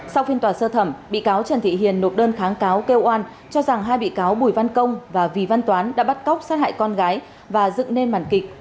sau phiên tòa sơ thẩm bị cáo trần thị hiền nộp đơn kháng cáo kêu oan cho rằng hai bị cáo bùi văn công và vì văn toán đã bắt cóc sát hại con gái và dựng nên màn kịch